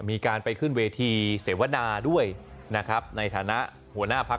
มีการไปขึ้นเวทีเสวนาด้วยนะครับในฐานะหัวหน้าพัก